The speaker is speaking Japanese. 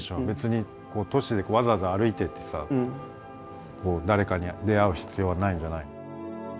別に都市でわざわざ歩いてってさ誰かに出会う必要はないんじゃないの？